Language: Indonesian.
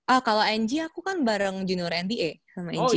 ah kalo eji aku kan bareng junior nde sama eji